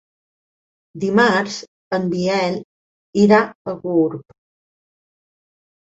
Dimarts en Biel irà a Gurb.